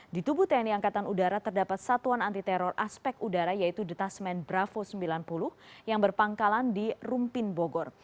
di tubuh tni angkatan udara terdapat satuan anti teror aspek udara yaitu detasmen bravo sembilan puluh yang berpangkalan di rumpin bogor